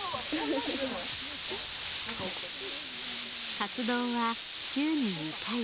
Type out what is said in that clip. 活動は週に２回。